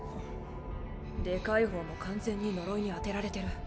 でかい方も完全に呪いにあてられてる。